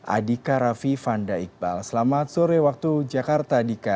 adhika raffi fanda iqbal selamat sore waktu jakarta adhika